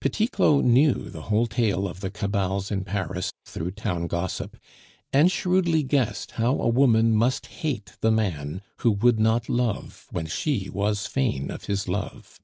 Petit Claud knew the whole tale of the cabals in Paris through town gossip, and shrewdly guessed how a woman must hate the man who would not love when she was fain of his love.